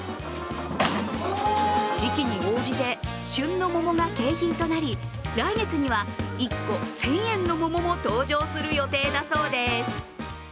時期に応じて旬の桃が景品となり来月には１個１０００円の桃も登場する予定だそうです。